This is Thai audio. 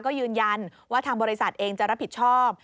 ก็ยืนยันว่าทางบริษัทเองจะรับผิดชอบ